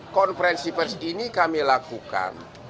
konferensi pers ini kami lakukan